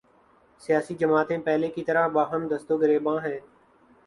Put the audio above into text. سیاسی جماعتیں پہلے کی طرح باہم دست و گریبان ہیں۔